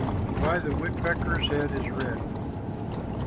WHY THE WOODPECKER'S HEAD IS RED.